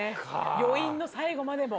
余韻の最後までも。